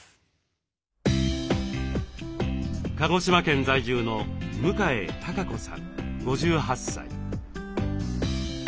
鹿児島県在住の向江貴子さん５８歳。